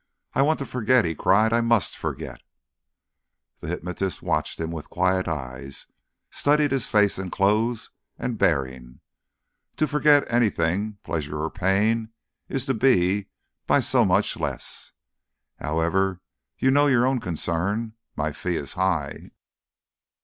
"I want to forget," he cried. "I must forget." The hypnotist watched him with quiet eyes, studied his face and clothes and bearing. "To forget anything pleasure or pain is to be, by so much less. However, you know your own concern. My fee is high."